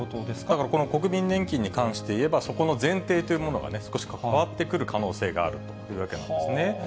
だからこの国民年金に関していえば、そこの前提というものがね、少し変わってくる可能性があるというわけなんですね。